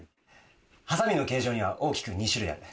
ハサミの形状には大きく２種類ある。